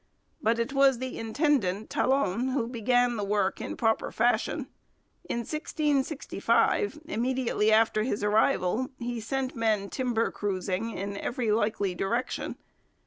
But it was the intendant Talon who began the work in proper fashion. In 1665, immediately after his arrival, he sent men 'timber cruising' in every likely direction.